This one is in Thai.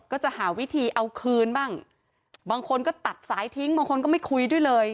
ก็จะหาวิธีเอาคืนบ้างบางคนก็ตัดสายทิ้งบางคนก็ไม่คุยด้วยเลย